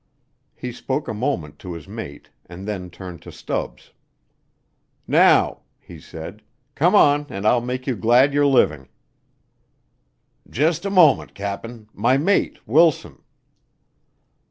He spoke a moment to his mate, and then turned to Stubbs. "Now," he said, "come on and I'll make you glad you're living." "Just a moment, Cap'n my mate Wilson."